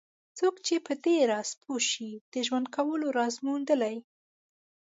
څوک چې په دې راز پوه شي د ژوند کولو راز موندلی.